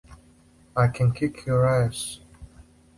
I can kick your ass.